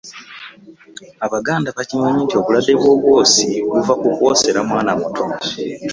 Abaganda bakimanyi nti obulwadde bw’obwosi buva ku kwosera mwana muto.